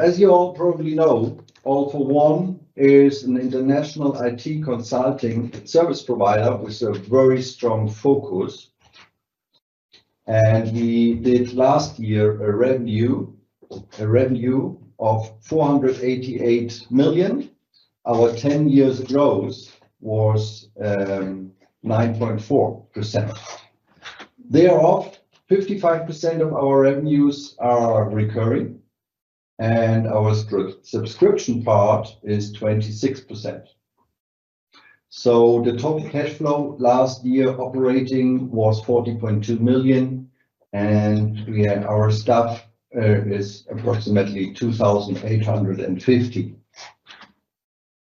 As you all probably know, All for One is an international IT consulting service provider with a very strong focus. We did last year a revenue of 488 million. Our 10-year growth was 9.4%. 55% of our revenues are recurring, and our subscription part is 26%. The total cash flow last year operating was 40.2 million. Our staff is approximately 2,850.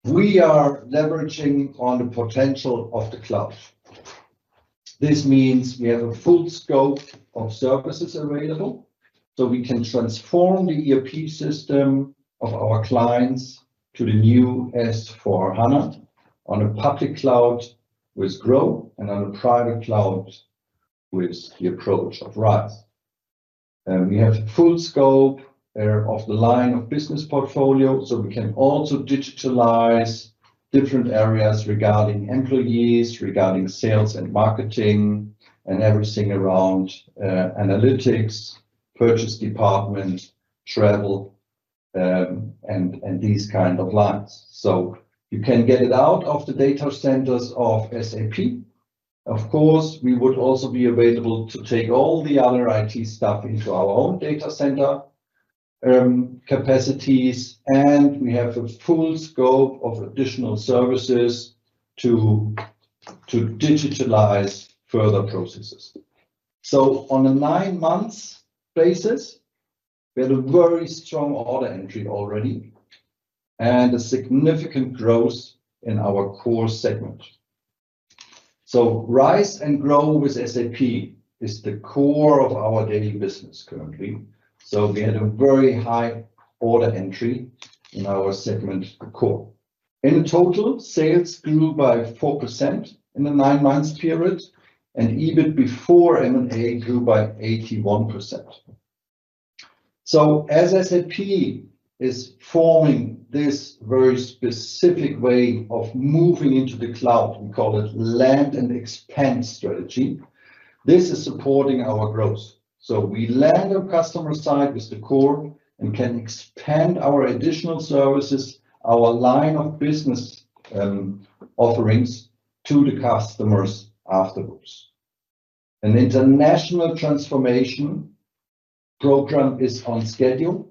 We are leveraging on the potential of the cloud. This means we have a full scope of services available. We can transform the ERP system of our clients to the new S/4HANA on a public cloud with GROW and on a private cloud with the approach of RISE. We have full scope of the LOB portfolio. We can also digitalize different areas regarding employees, regarding sales and marketing, and everything around analytics, purchase department, travel, and these kind of lines. You can get it out of the data centers of SAP. Of course, we would also be available to take all the other IT stuff into our own data center capacities. We have a full scope of additional services to digitalize further processes. On a nine-month basis, we had a very strong order entry already and a significant growth in our CORE segment. RISE and GROW with SAP is the CORE of our daily business currently. We had a very high order entry in our segment CORE. In total, sales grew by 4% in the nine-month period, and EBIT before M&A grew by 81%. As SAP is forming this very specific way of moving into the cloud, we call it land and expand strategy. This is supporting our growth. We land on customer side with the CORE and can expand our additional services, our LOB offerings to the customers afterwards. An international transformation program is on schedule.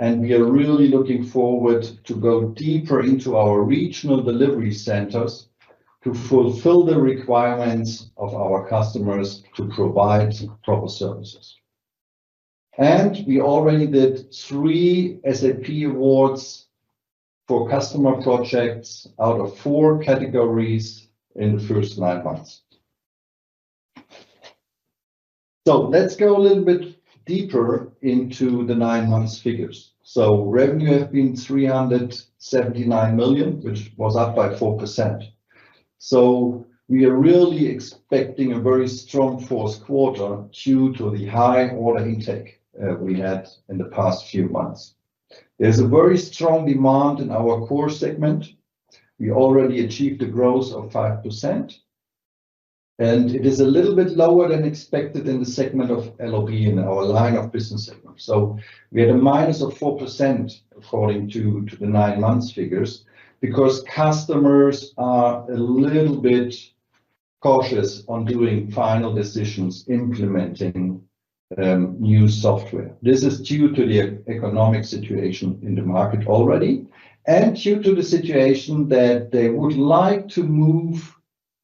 We are really looking forward to go deeper into our regional delivery centers to fulfill the requirements of our customers to provide proper services. We already did three SAP awards for customer projects out of four categories in the first nine months. Let's go a little bit deeper into the nine-month figures. Revenue has been 379 million, which was up by 4%. We are really expecting a very strong fourth quarter due to the high order intake we had in the past few months. There is a very strong demand in our CORE segment. We already achieved a growth of 5%, and it is a little bit lower than expected in the segment of LOB, in our LOB segment. We had a minus of 4% according to the nine-month figures because customers are a little bit cautious on doing final decisions implementing new software. This is due to the economic situation in the market already and due to the situation that they would like to move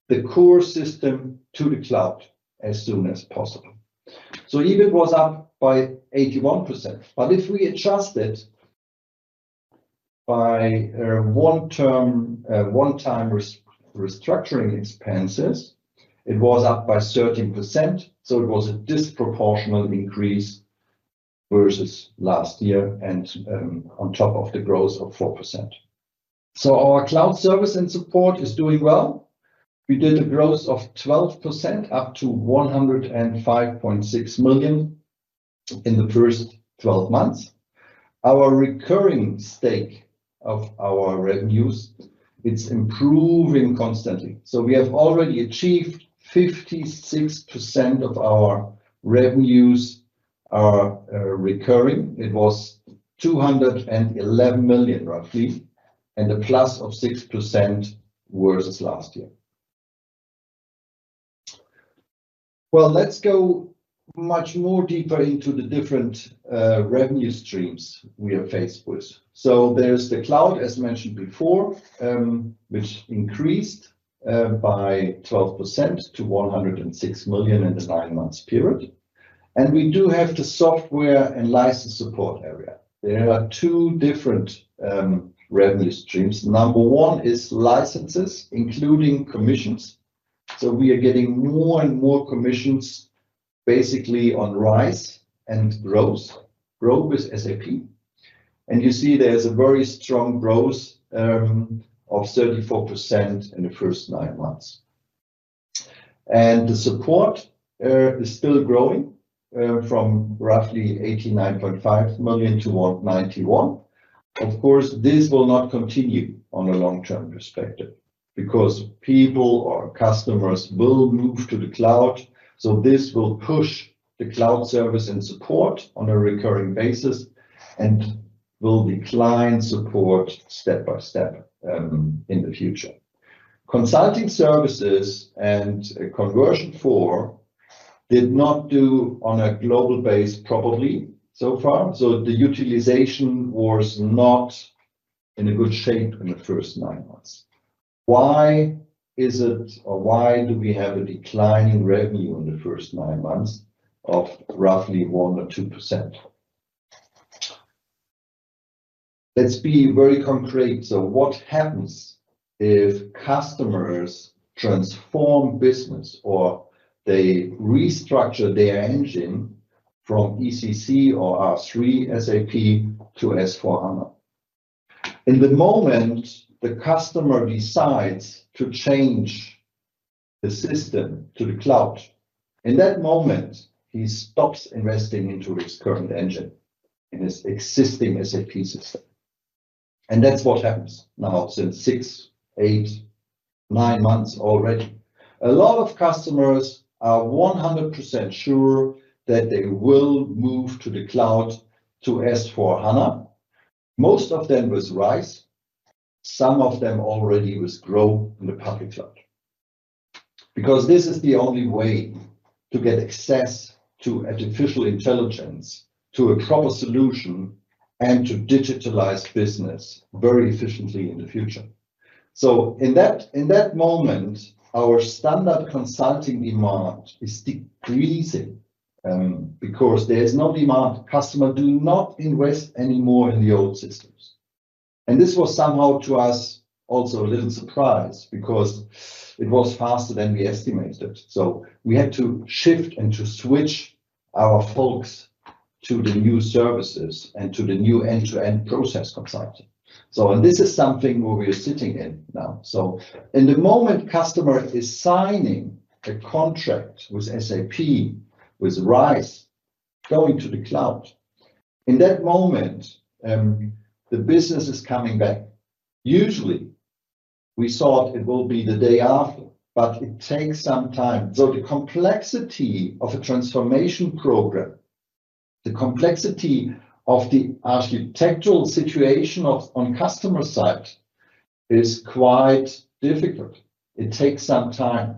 the CORE system to the cloud as soon as possible. EBIT was up by 81%. If we adjust it by one-time restructuring expenses, it was up by 13%. It was a disproportional increase versus last year and on top of the growth of 4%. Our cloud service and support is doing well. We did a growth of 12%, up to 105.6 million in the first 12 months. Our recurring stake of our revenues, it is improving constantly. We have already achieved 56% of our revenues are recurring. It was 211 million, roughly, and a plus of 6% versus last year. Let's go much more deeper into the different revenue streams we are faced with. There is the cloud, as mentioned before, which increased by 12% to 106 million in the nine months period. We do have the software and license support area. There are two different revenue streams. Number one is licenses, including commissions. We are getting more and more commissions, basically on RISE and GROW with SAP. You see there is a very strong growth of 34% in the first nine months. The support is still growing from roughly 89.5 million to 91 million. Of course, this will not continue on a long-term perspective because people or customers will move to the cloud. This will push the cloud service and support on a recurring basis and will decline support step by step in the future. Consulting services and conversion for did not do on a global base probably so far, the utilization was not in a good shape in the first nine months. Why is it, or why do we have a decline in revenue in the first nine months of roughly 1% or 2%? Let's be very concrete. What happens if customers transform business or they restructure their engine from SAP ECC or SAP R/3 to SAP S/4HANA? In the moment, the customer decides to change the system to the cloud. In that moment, he stops investing into his current engine, in his existing SAP system. That is what happens now since six, eight, nine months already. A lot of customers are 100% sure that they will move to the cloud to SAP S/4HANA. Most of them with RISE, some of them already with GROW in the public cloud. This is the only way to get access to artificial intelligence, to a proper solution, and to digitalize business very efficiently in the future. In that moment, our standard consulting demand is decreasing, because there is no demand. Customer do not invest any more in the old systems. This was somehow to us also a little surprise, because it was faster than we estimated. We had to shift and to switch our folks to the new services and to the new end-to-end process consulting. This is something where we are sitting in now. In the moment customer is signing a contract with SAP, with RISE, going to the cloud, in that moment, the business is coming back. Usually, we thought it will be the day after, but it takes some time. The complexity of a transformation program, the complexity of the architectural situation on customer side, is quite difficult. It takes some time.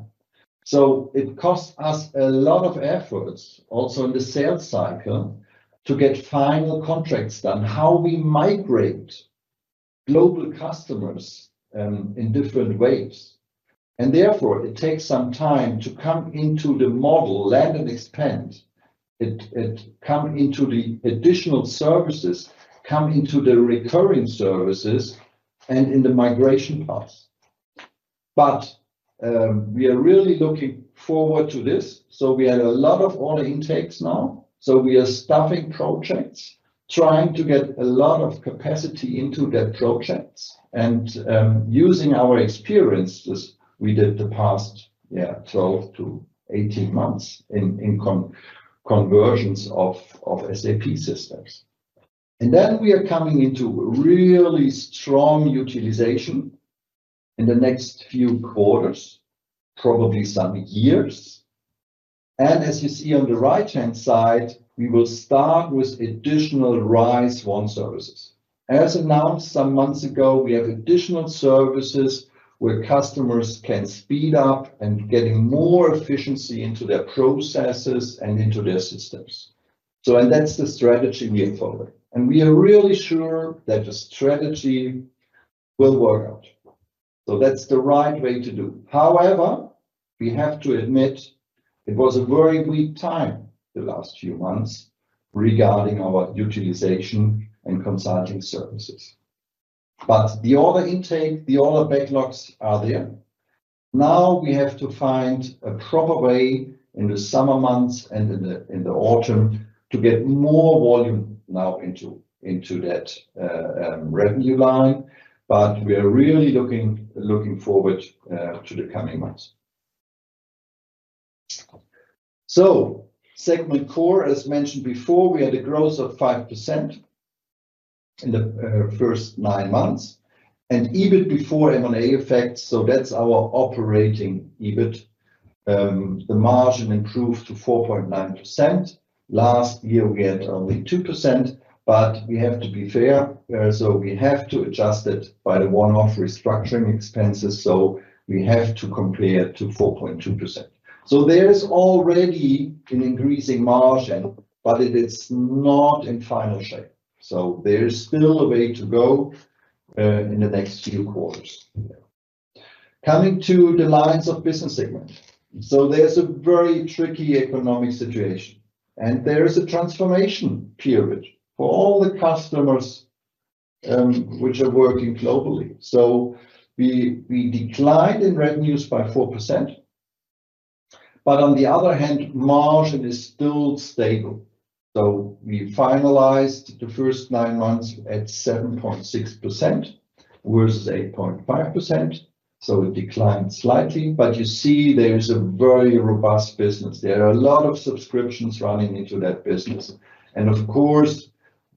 It costs us a lot of efforts also in the sales cycle to get final contracts done, how we migrate global customers in different ways. Therefore, it takes some time to come into the model, land and expand. It come into the additional services, come into the recurring services and in the migration paths. We are really looking forward to this. We have a lot of order intakes now. We are staffing projects, trying to get a lot of capacity into that projects, using our experiences we did the past, 12 to 18 months in conversions of SAP systems. We are coming into really strong utilization in the next few quarters, probably some years. As you see on the right-hand side, we will start with additional RISE with SAP services. As announced some months ago, we have additional services where customers can speed up and getting more efficiency into their processes and into their systems. That's the strategy we are following, and we are really sure that the strategy will work out. That's the right way to do. However, we have to admit it was a very weak time the last few months regarding our utilization and consulting services. The order intake, the order backlogs are there. Now we have to find a proper way in the summer months and in the autumn to get more volume now into that revenue line. We are really looking forward to the coming months. Segment CORE, as mentioned before, we had a growth of 5% in the first nine months and EBIT before M&A effects, that's our operating EBIT. The margin improved to 4.9%. Last year, we had only 2%. We have to be fair, we have to adjust it by the one-off restructuring expenses, we have to compare to 4.2%. There's already an increasing margin, but it is not in final shape. There is still a way to go in the next few quarters. Coming to the lines of business segment. There's a very tricky economic situation, and there is a transformation period for all the customers which are working globally. We declined in revenues by 4%, but on the other hand, margin is still stable. We finalized the first nine months at 7.6% versus 8.5%, it declined slightly. You see there is a very robust business. There are a lot of subscriptions running into that business. Of course,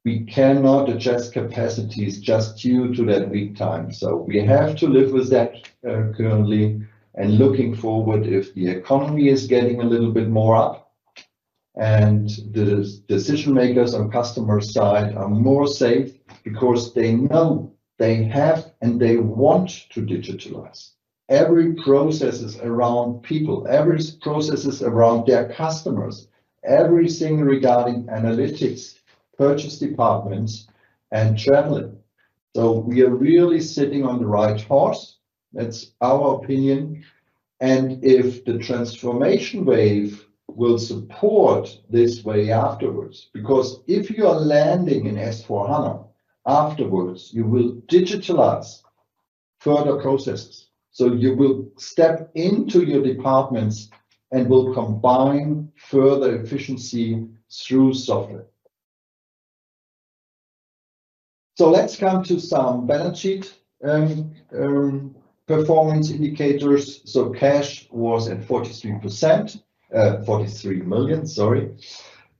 we cannot adjust capacities just due to that lead time. We have to live with that currently, and looking forward, if the economy is getting a little bit more up and the decision-makers on customer side are more safe because they know they have and they want to digitalize. Every process around people, every process around their customers, everything regarding analytics, purchase departments, and traveling. We are really sitting on the right horse, that's our opinion. If the transformation wave will support this way afterwards, because if you are landing in SAP S/4HANA, afterwards, you will digitalize further processes. You will step into your departments and will combine further efficiency through software. Let's come to some balance sheet performance indicators. Cash was at 43 million, sorry,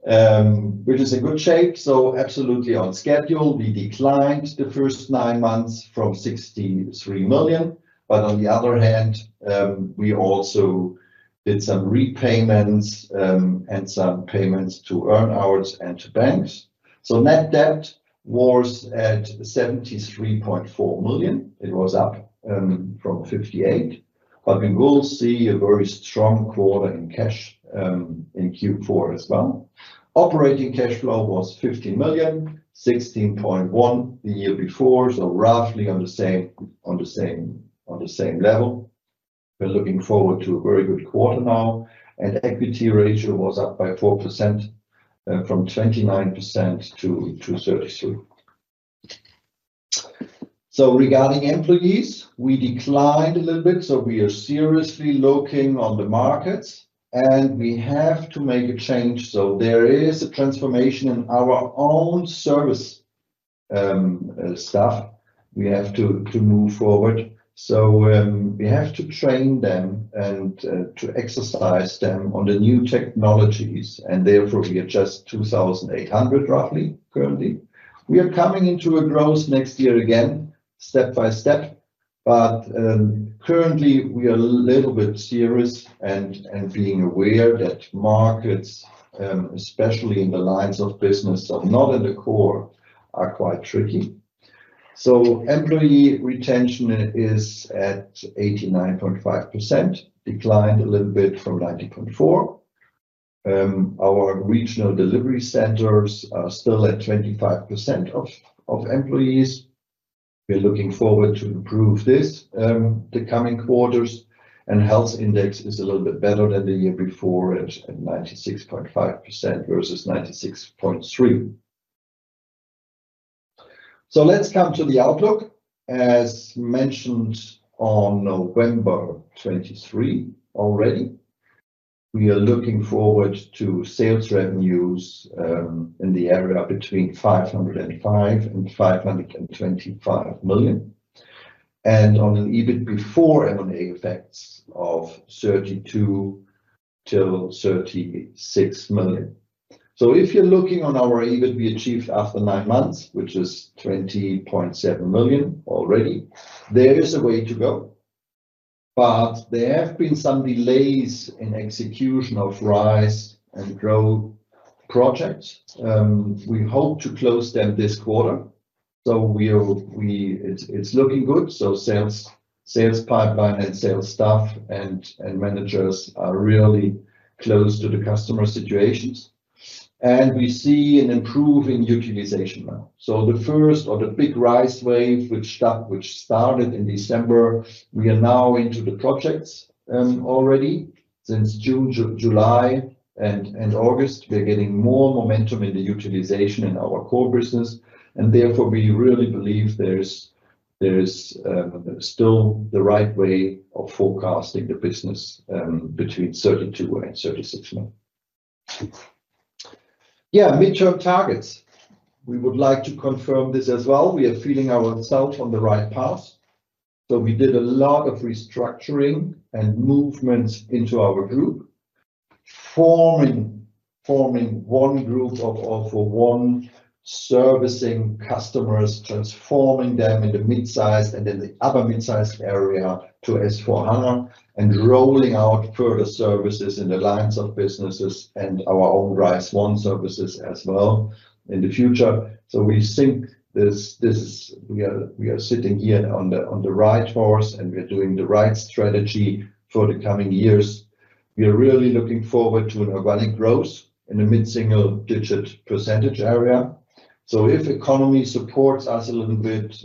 which is in good shape. Absolutely on schedule. We declined the first nine months from 63 million. On the other hand, we also did some repayments and some payments to earn hours and to banks. Net debt was at 73.4 million. It was up from 58 million. We will see a very strong quarter in cash, in Q4 as well. Operating cash flow was 50 million, 16.1 million the year before, roughly on the same level. Equity ratio was up by 4%, from 29% to 33%. Regarding employees, we declined a little bit, we are seriously looking on the markets, and we have to make a change. There is a transformation in our own service staff. We have to move forward. We have to train them and to exercise them on the new technologies, and therefore we are just 2,800, roughly, currently. We are coming into a growth next year again, step by step. Currently, we are a little bit serious and being aware that markets, especially in the lines of business that are not in the CORE, are quite tricky. Employee retention is at 89.5%, declined a little bit from 90.4%. Our regional delivery centers are still at 25% of employees. We're looking forward to improve this the coming quarters. Health index is a little bit better than the year before at 96.5% versus 96.3%. Let's come to the outlook. As mentioned on November 23 already, we are looking forward to sales revenues in the area between 505 million and 525 million, and on an EBIT before M&A effects of 32 million to 36 million. If you're looking on our EBIT we achieved after 9 months, which is 20.7 million already, there is a way to go. There have been some delays in execution of RISE with SAP and GROW with SAP projects. We hope to close them this quarter. It's looking good. Sales pipeline and sales staff and managers are really close to the customer situations. We see an improving utilization now. The first of the big RISE with SAP wave, which started in December, we are now into the projects already. Since June, July, and August, we are getting more momentum in the utilization in our CORE business, and therefore, we really believe there is still the right way of forecasting the business between 32 million and 36 million. Midterm targets. We would like to confirm this as well. We are feeling ourselves on the right path. We did a lot of restructuring and movements into our group, forming one group of All for One Group, servicing customers, transforming them in the mid-sized and in the upper mid-sized area to SAP S/4HANA, and rolling out further services in the lines of businesses and our own RISE with SAP one services as well in the future. We think we are sitting here on the right horse, and we are doing the right strategy for the coming years. We are really looking forward to an organic growth in the mid-single digit percentage area. If economy supports us a little bit,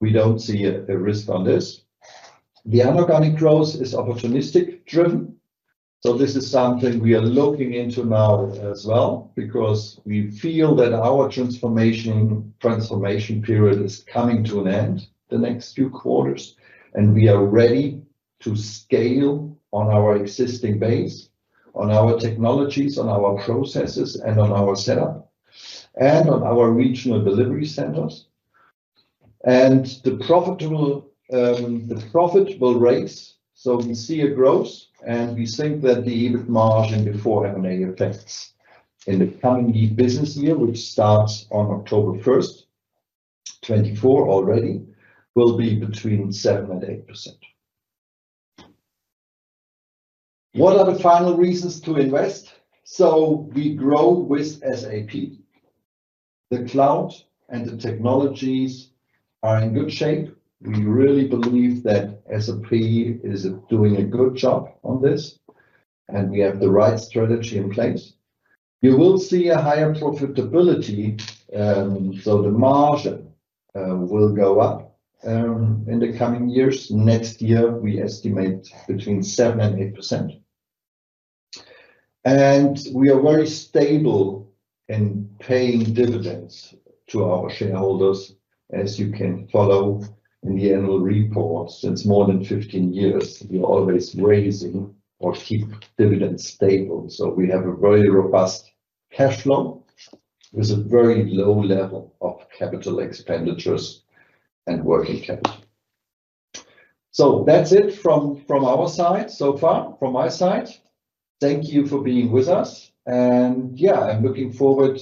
we don't see a risk on this. The inorganic growth is opportunistic driven. This is something we are looking into now as well, because we feel that our transformation period is coming to an end the next few quarters, and we are ready to scale on our existing base, on our technologies, on our processes, and on our setup, and on our regional delivery centers. The profit will rise. We see a growth, and we think that the EBIT margin before M&A effects in the coming business year, which starts on October 1st, 2024 already, will be between 7% and 8%. What are the final reasons to invest? We GROW with SAP. The cloud and the technologies are in good shape. We really believe that SAP is doing a good job on this, and we have the right strategy in place. You will see a higher profitability, so the margin will go up in the coming years. Next year, we estimate between seven and eight %. We are very stable in paying dividends to our shareholders. As you can follow in the annual report, since more than 15 years, we are always raising or keep dividends stable. We have a very robust cash flow with a very low level of capital expenditures and working capital. That's it from our side so far, from my side. Thank you for being with us. I'm looking forward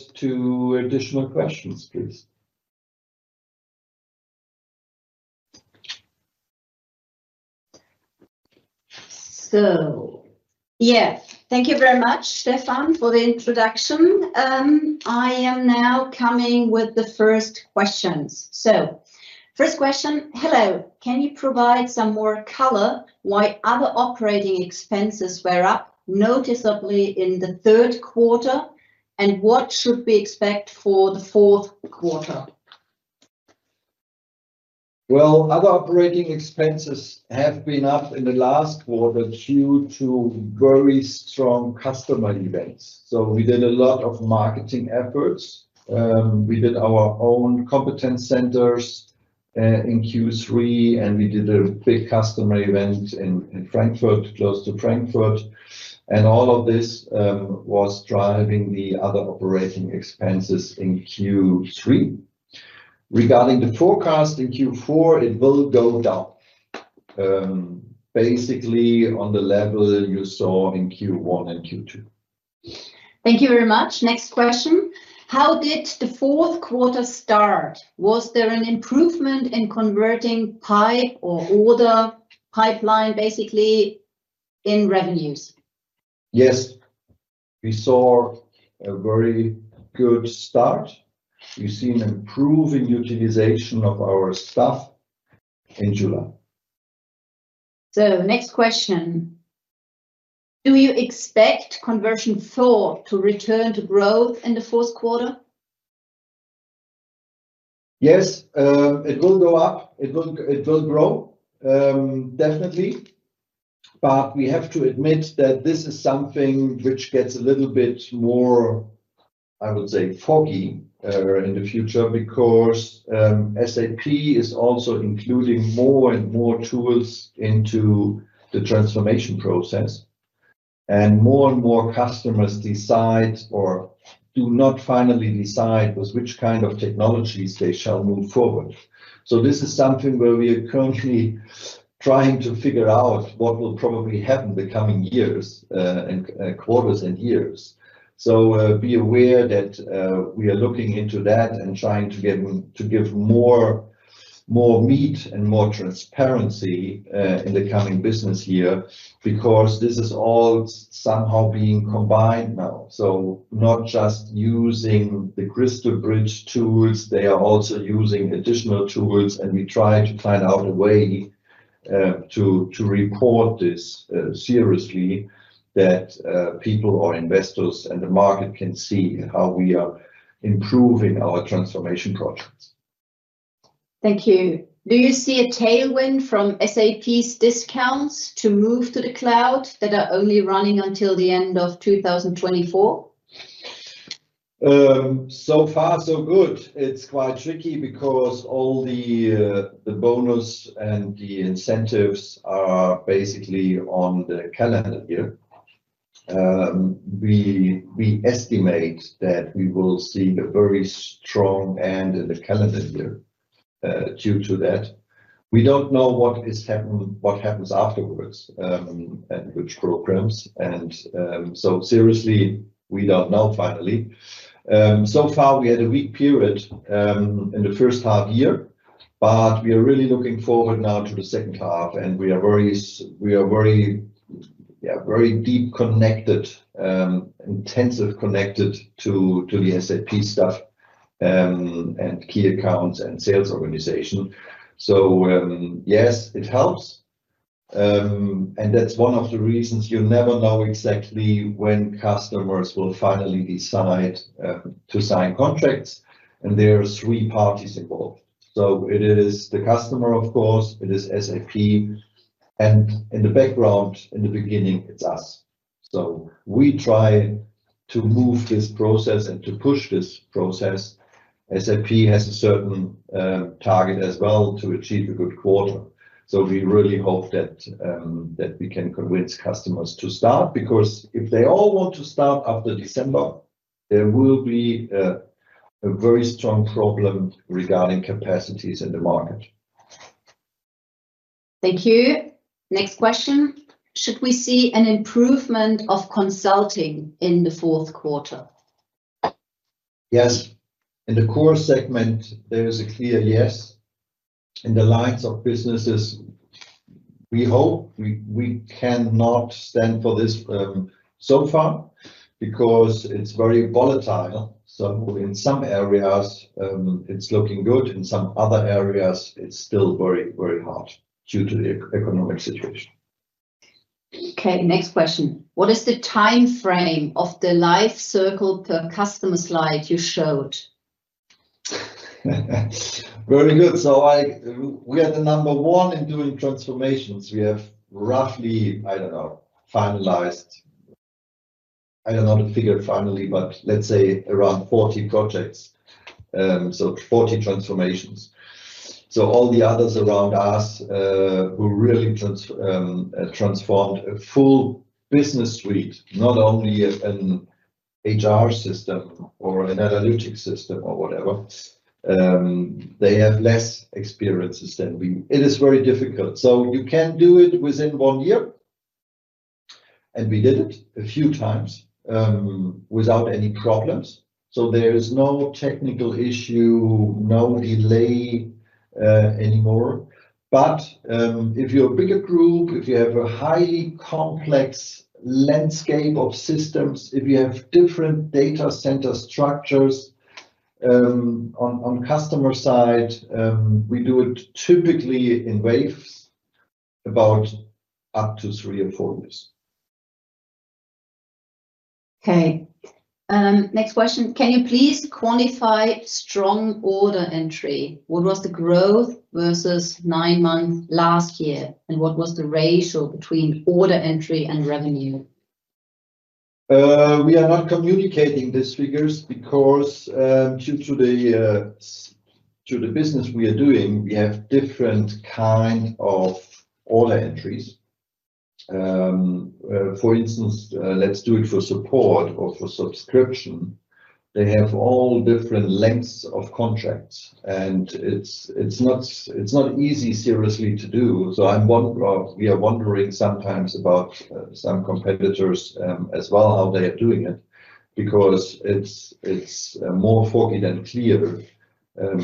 to additional questions, please. Thank you very much, Stefan, for the introduction. I am now coming with the first questions. First question: Hello. Can you provide some more color why other operating expenses were up noticeably in the third quarter? What should we expect for the fourth quarter? Other operating expenses have been up in the last quarter due to very strong customer events. We did a lot of marketing efforts. We did our own competence centers, in Q3, and we did a big customer event close to Frankfurt. All of this was driving the other operating expenses in Q3. Regarding the forecast in Q4, it will go down, basically on the level you saw in Q1 and Q2. Thank you very much. Next question. How did the fourth quarter start? Was there an improvement in converting pipe or order pipeline basically in revenues? Yes. We saw a very good start. We've seen improving utilization of our staff in July. Next question. Do you expect conversion for to return to growth in the fourth quarter? Yes. It will go up. It will grow, definitely. We have to admit that this is something which gets a little bit more, I would say, foggy, in the future because SAP is also including more and more tools into the transformation process. More and more customers decide or do not finally decide with which kind of technologies they shall move forward. This is something where we are currently trying to figure out what will probably happen the coming quarters and years. Be aware that we are looking into that and trying to give more meat and more transparency in the coming business year because this is all somehow being combined now. Not just using the CrystalBridge tools, they are also using additional tools, and we try to find out a way to report this seriously, that people or investors and the market can see how we are improving our transformation projects. Thank you. Do you see a tailwind from SAP's discounts to move to the cloud that are only running until the end of 2024? So far so good. It's quite tricky because all the bonus and the incentives are basically on the calendar year. We estimate that we will see a very strong end in the calendar year, due to that. We don't know what happens afterwards, and which programs. Seriously, we don't know finally. So far we had a weak period in the first half year, we are really looking forward now to the second half and we are very deep connected, intensive connected to the SAP staff, and key accounts and sales organization. Yes, it helps. That's one of the reasons you never know exactly when customers will finally decide to sign contracts, there are three parties involved. It is the customer, of course, it is SAP, and in the background in the beginning, it's us. We try to move this process and to push this process. SAP has a certain target as well to achieve a good quarter. We really hope that we can convince customers to start, because if they all want to start after December, there will be a very strong problem regarding capacities in the market. Thank you. Next question. Should we see an improvement of consulting in the fourth quarter? Yes. In the CORE segment, there is a clear yes. In the lines of businesses, we hope. We cannot stand for this so far because it's very volatile. In some areas, it's looking good. In some other areas, it's still very hard due to the economic situation. Next question. What is the timeframe of the life cycle per customer slide you showed? Very good. We are the number 1 in doing transformations. We have roughly, I don't know, finalized, I don't know the figure finally, but let's say around 40 projects, 40 transformations. All the others around us who really transformed a full business suite, not only an HR system or an analytics system or whatever, they have less experiences than we. It is very difficult. You can do it within one year, and we did it a few times without any problems. There is no technical issue, no delay anymore. If you're a bigger group, if you have a highly complex landscape of systems, if you have different data center structures on customer side, we do it typically in waves about up to three and four years. Next question. Can you please quantify strong order entry? What was the growth versus nine months last year, and what was the ratio between order entry and revenue? We are not communicating these figures because due to the business we are doing, we have different kind of order entries. For instance, let's do it for support or for subscription. They have all different lengths of contracts, and it's not easy seriously to do. We are wondering sometimes about some competitors as well, how they are doing it, because it's more foggy than clear.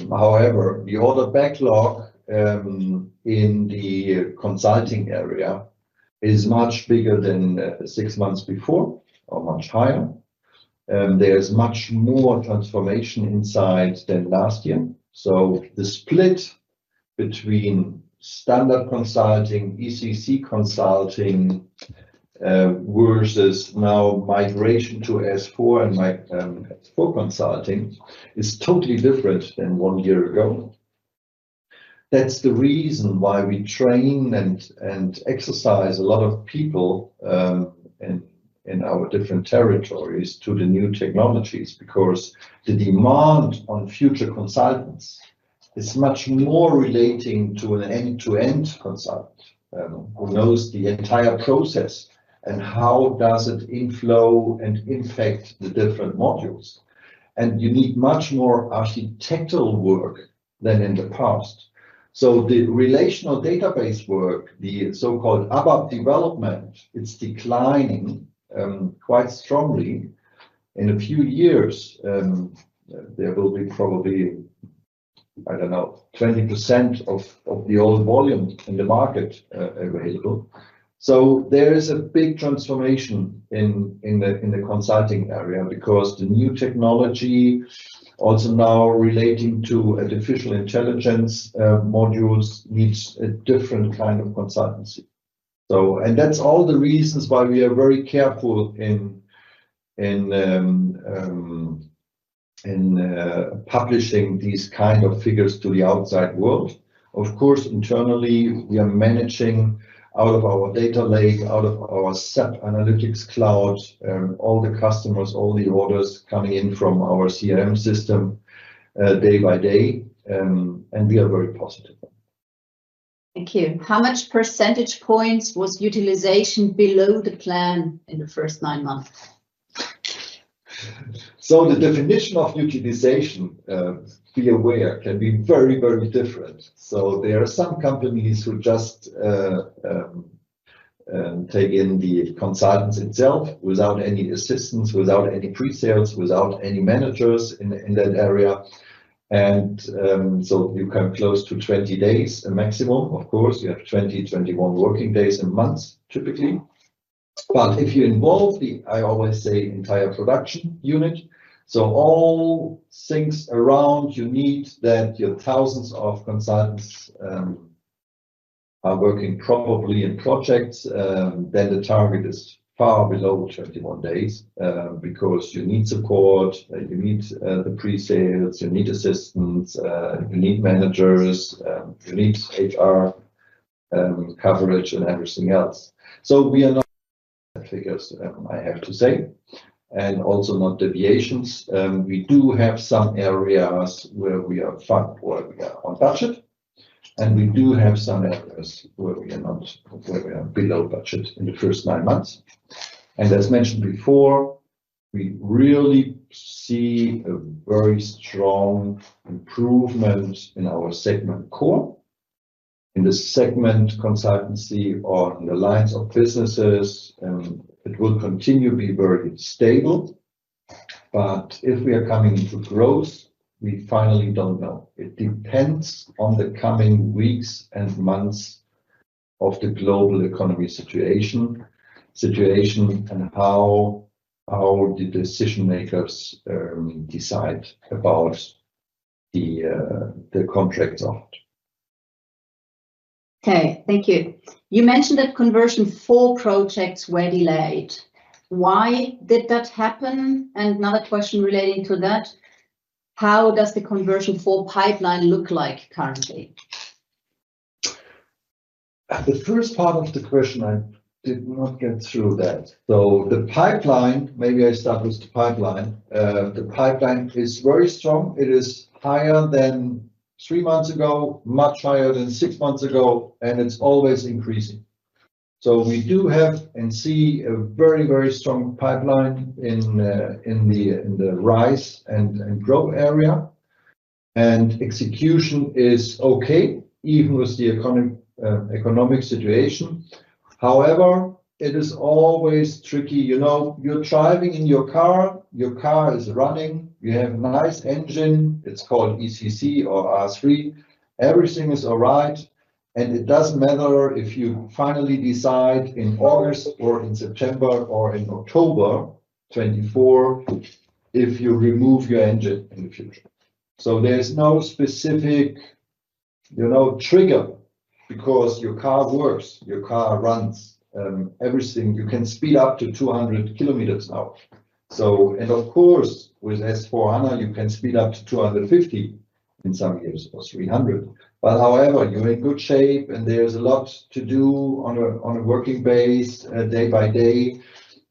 However, the order backlog in the consulting area is much bigger than six months before or much higher. There's much more transformation in size than last year. The split between standard consulting, SAP ECC consulting versus now migration to S/4 and S/4 consulting is totally different than one year ago. That's the reason why we train and exercise a lot of people in our different territories to the new technologies because the demand on future consultants is much more relating to an end-to-end consult who knows the entire process and how does it inflow and infect the different modules. You need much more architectural work than in the past. The relational database work, the so-called ABAP development, it's declining quite strongly. In a few years, there will be probably, I don't know, 20% of the old volume in the market available. There is a big transformation in the consulting area because the new technology also now relating to artificial intelligence modules needs a different kind of consultancy. That's all the reasons why we are very careful in publishing these kind of figures to the outside world. Of course, internally, we are managing out of our data lake, out of our SAP Analytics Cloud, all the customers, all the orders coming in from our CRM system day by day, and we are very positive. Thank you. How much percentage points was utilization below the plan in the first nine months? The definition of utilization, be aware, can be very different. There are some companies who just take in the consultants itself without any assistance, without any pre-sales, without any managers in that area. You come close to 20 days maximum. Of course, you have 20, 21 working days a month typically. If you involve the, I always say, entire production unit, so all things around you need that your thousands of consultants are working probably in projects, then the target is far below 21 days because you need support, you need the pre-sales, you need assistants, you need managers, you need HR coverage and everything else. We are not The figures that I have to say, and also not deviations. We do have some areas where we are on budget, and we do have some areas where we are below budget in the first nine months. As mentioned before, we really see a very strong improvement in our segment CORE. In the segment consultancy on the lines of businesses, it will continue to be very stable. If we are coming into growth, we finally don't know. It depends on the coming weeks and months of the global economy situation, and how the decision-makers decide about the contracts offered. Okay, thank you. You mentioned that conversion for projects were delayed. Why did that happen? Another question relating to that, how does the conversion for pipeline look like currently? The first part of the question, I did not get through that. The pipeline, maybe I start with the pipeline. The pipeline is very strong. It is higher than three months ago, much higher than six months ago, and it's always increasing. We do have and see a very strong pipeline in the RISE and GROW area, and execution is okay even with the economic situation. However, it is always tricky. You're driving in your car, your car is running, you have a nice engine. It's called ECC or R3. Everything is all right, and it doesn't matter if you finally decide in August or in September or in October 2024, if you remove your engine in the future. There's no specific trigger because your car works, your car runs, everything. You can speed up to 200 kilometers an hour. Of course, with SAP S/4HANA, you can speed up to 250 in some years, or 300. However, you're in good shape and there's a lot to do on a working base day by day.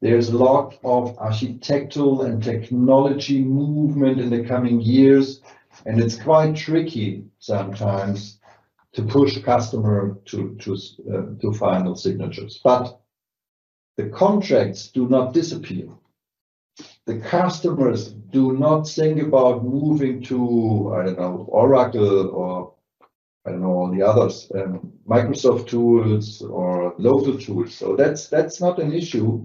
There's a lot of architectural and technology movement in the coming years, and it's quite tricky sometimes to push customer to final signatures. The contracts do not disappear. The customers do not think about moving to, I don't know, Oracle or, I don't know, all the others, Microsoft tools or local tools. That's not an issue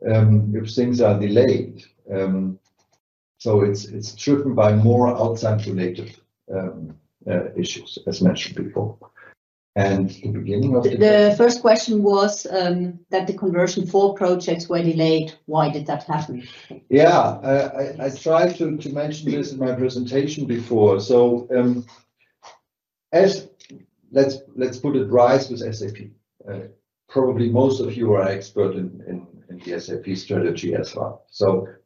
if things are delayed. It's driven by more outside related issues as mentioned before. The first question was that the conversion for projects were delayed. Why did that happen? I tried to mention this in my presentation before. Let's put it RISE with SAP. Probably most of you are expert in the SAP strategy as well.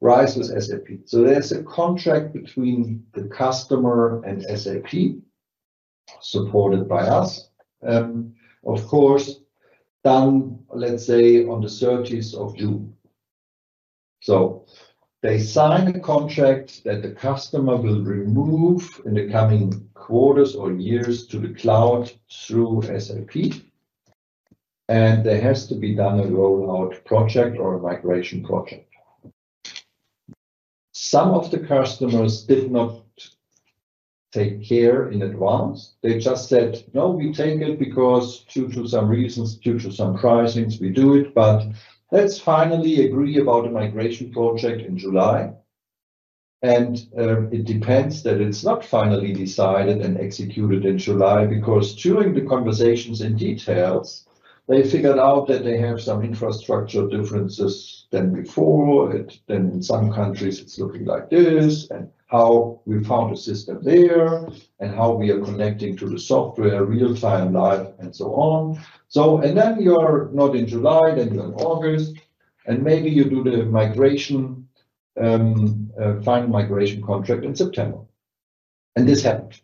RISE with SAP. There's a contract between the customer and SAP, supported by us. Of course, done, let's say on the 30th of June. They sign a contract that the customer will remove in the coming quarters or years to the cloud through SAP, and there has to be done a rollout project or a migration project. Some of the customers did not take care in advance. They just said, "No, we take it because due to some reasons, due to some pricings, we do it, but let's finally agree about a migration project in July." It depends that it's not finally decided and executed in July, because during the conversations in details, they figured out that they have some infrastructure differences than before. In some countries, it's looking like this and how we found a system there and how we are connecting to the software real time, live, and so on. You're not in July, then you're in August, and maybe you do the final migration contract in September, and this happened.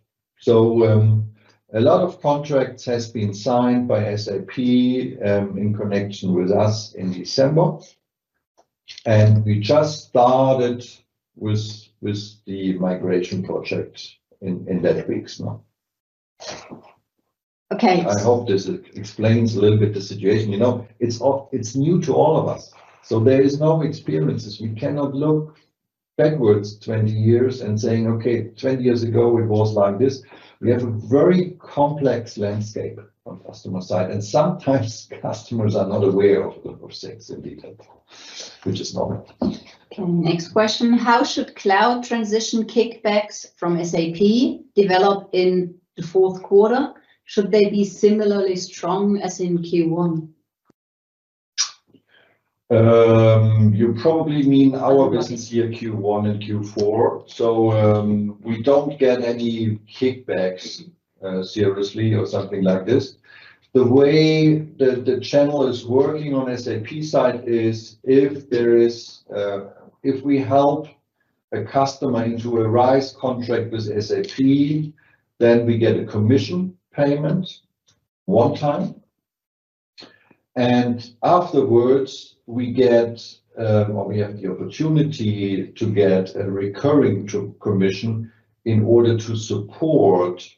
A lot of contracts has been signed by SAP in connection with us in December, and we just started with the migration project in that weeks now. Okay. I hope this explains a little bit the situation. It's new to all of us, so there is no experiences. We cannot look backwards 20 years and saying, "Okay, 20 years ago it was like this." We have a very complex landscape on customer side, and sometimes customers are not aware of things in detail, which is normal. Next question. How should cloud transition kickbacks from SAP develop in the fourth quarter? Should they be similarly strong as in Q1? You probably mean our business year Q1 and Q4. We don't get any kickbacks seriously or something like this. The way the channel is working on SAP side is if we help a customer into a RISE contract with SAP, then we get a commission payment one time, and afterwards we get, or we have the opportunity to get, a recurring commission in order to support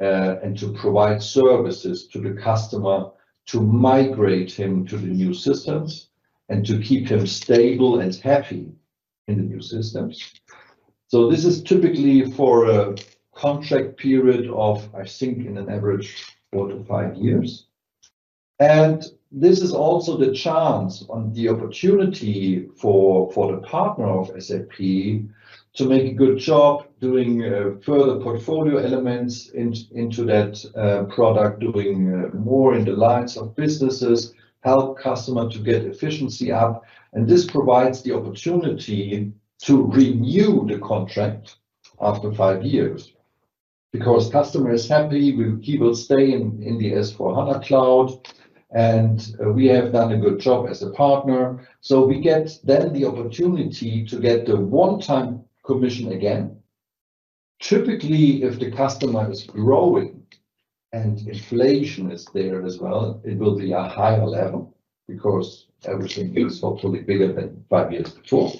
and to provide services to the customer to migrate him to the new systems and to keep him stable and happy in the new systems. This is typically for a contract period of, I think in an average, four to five years. This is also the chance and the opportunity for the partner of SAP to make a good job doing further portfolio elements into that product, doing more in the lines of businesses, help customer to get efficiency up. This provides the opportunity to renew the contract after five years, because customer is happy, he will stay in the SAP S/4HANA Cloud, and we have done a good job as a partner. We get then the opportunity to get the one-time commission again. Typically, if the customer is growing and inflation is there as well, it will be a higher level because everything is hopefully bigger than five years before.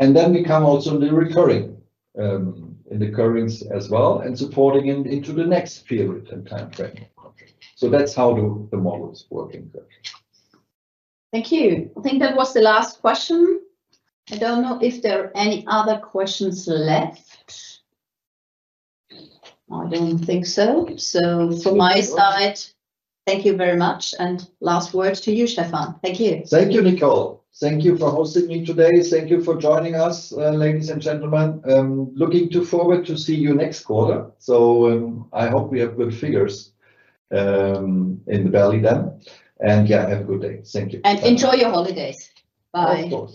Then we come also in the recurrence as well and supporting him into the next period and time frame. That's how the model is working there. Thank you. I think that was the last question. I don't know if there are any other questions left. I don't think so. From my side, thank you very much, and last words to you, Stefan. Thank you. Thank you, Nicole. Thank you for hosting me today. Thank you for joining us, ladies and gentlemen. Looking to forward to see you next quarter. I hope we have good figures in the belly then. Yeah, have a good day. Thank you. Enjoy your holidays. Bye.